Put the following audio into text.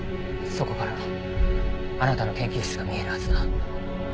そこからあなたの研究室が見えるはずだ。